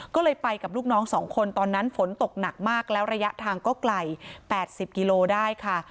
ก็เลยไปกับลูกน้อง๒คนตอนนั้นฝนตกหนักมากแล้วระยะทางก็ไกล๘๐กิโลได้ค่ะ